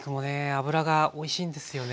脂がおいしいんですよね。